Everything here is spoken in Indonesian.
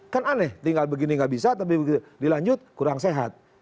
kan aneh tinggal begini nggak bisa tapi dilanjut kurang sehat